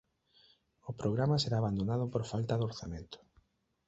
O programa será abandonado por falta de orzamento.